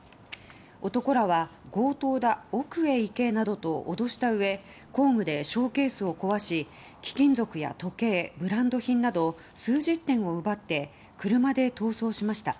男らは強盗だ、奥へ行けなどと脅したうえ工具でショーケースを壊し貴金属や時計、ブランド品など数十点を奪って車で逃走しました。